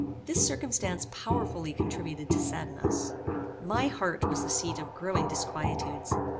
This circumstance powerfully contributed to sadden us. My heart was the seat of growing disquietudes.